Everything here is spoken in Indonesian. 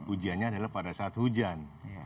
ujiannya adalah pada saat hujan